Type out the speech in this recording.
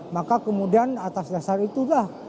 maka kemudian atas dasar itulah